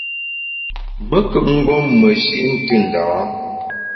Me nkùp mgbom meshi’ ntù ndâ a.